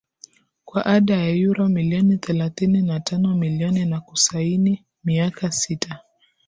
kwa ada ya Euro milioni thelathini na tano milioni na kusaini miaka sita